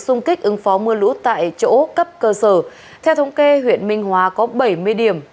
xung kích ứng phó mưa lũ tại chỗ cấp cơ sở theo thống kê huyện minh hóa có bảy mươi điểm